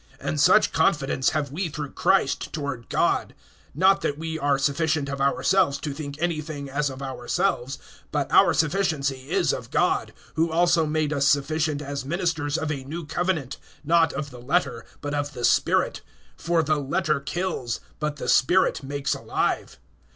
(4)And such confidence have we through Christ, toward God. (5)Not that we are sufficient of ourselves to think anything as of ourselves; but our sufficiency is of God; (6)who also made us sufficient as ministers of a new covenant; not of the letter, but of the spirit; for the letter kills, but the spirit makes alive.